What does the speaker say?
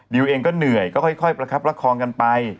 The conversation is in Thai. เองก็เหนื่อยก็ค่อยประคับประคองกันไป